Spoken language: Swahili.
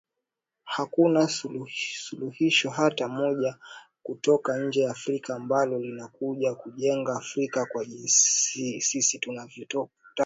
Hakuna suluhisho hata moja kutoka nje ya Afrika ambalo linakuja kuijenga Afrika kwa jinsi sisi tunavyotaka